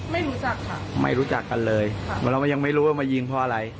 ไม่รู้จักค่ะไม่รู้จักกันเลยค่ะเราก็ยังไม่รู้ว่ามายิงเพราะอะไร